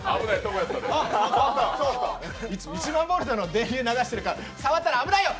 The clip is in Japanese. １万ボルトの電流を流してるから触ったら危ないよ。